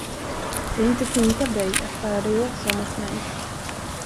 Det är inte fint av dig att bära dig åt så mot mig.